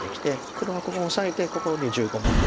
黒はここオサえてここに１５目。